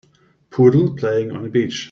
poodle playing on a beach